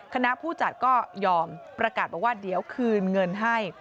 คณะผู้จัดก็ยอมประกาศบอกว่าเดี๋ยวคืนเงินให้